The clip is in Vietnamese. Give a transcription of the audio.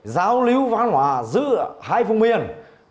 giao lưu văn hóa giữa hai vùng miền